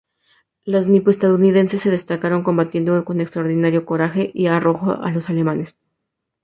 Los nipo-estadounidenses se destacaron combatiendo con extraordinario coraje y arrojo a los alemanes.